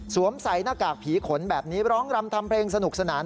ใส่หน้ากากผีขนแบบนี้ร้องรำทำเพลงสนุกสนาน